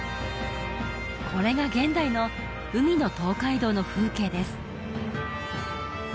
これが現代の海の東海道の風景です